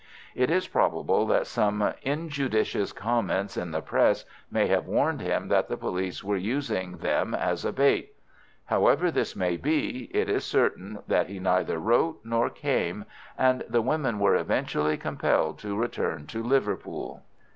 It is probable that some injudicious comments in the Press may have warned him that the police were using them as a bait. However this may be, it is certain that he neither wrote nor came, and the women were eventually compelled to return to Liverpool.